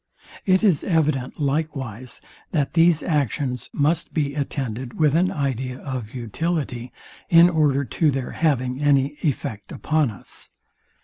It is evident likewise, that these actions must be attended with an idea of utility, in order to their having any effect upon us.